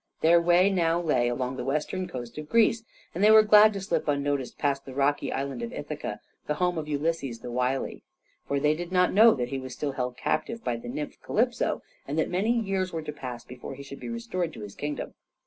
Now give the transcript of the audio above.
Their way now lay along the western coast of Greece, and they were glad to slip unnoticed past the rocky island of Ithaca, the home of Ulysses the wily. For they did not know that he was still held captive by the nymph Calypso, and that many years were to pass before he should be restored to his kingdom.